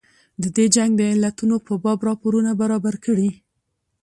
د دې جنګ د علتونو په باب راپورونه برابر کړي.